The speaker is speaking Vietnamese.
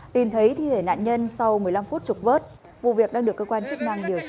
tìm thấy thi thể nạn nhân sau một mươi năm phút trục vớt vụ việc đang được cơ quan chức năng điều tra